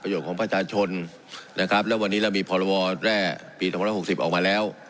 ประโยชน์ของประชาชนนะครับแล้ววันนี้เรามีพรวอแร่ปีหกหกหกสิบออกมาแล้ว